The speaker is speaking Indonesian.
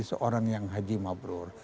seorang yang haji mabrur